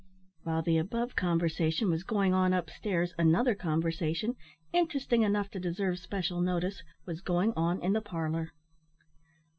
While the above conversation was going on up stairs, another conversation interesting enough to deserve special notice was going on in the parlour.